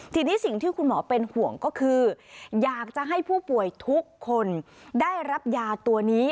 ทีนี้สิ่งที่คุณหมอเป็นห่วงก็คืออยากจะให้ผู้ป่วยทุกคนได้รับยาตัวนี้